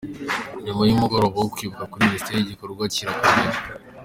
Nyuma y’umugoroba wo kwibuka kuri Minisiteri igikorwa kirakomeje.